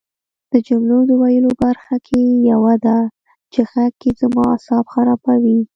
د جملو د ویلو برخه کې یوه ده چې غږ کې زما اعصاب خرابوي